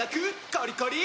コリコリ！